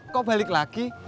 kok balik lagi